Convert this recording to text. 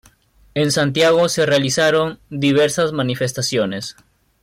En Santiago se realizaron diversas manifestaciones.